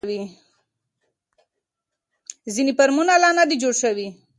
ځینې فارمونه لا نه دي جوړ شوي.